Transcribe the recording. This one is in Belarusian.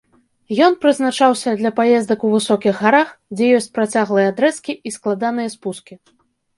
Ён прызначаўся для паездак у высокіх гарах, дзе ёсць працяглыя адрэзкі і складаныя спускі.